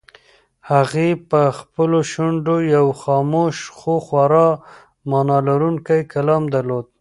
هغې په خپلو شونډو یو خاموش خو خورا مانا لرونکی کلام درلود.